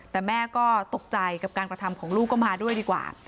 แต่แม่ก็ตกใจกับการกระทำของลูกก็มาด้วยดีกว่า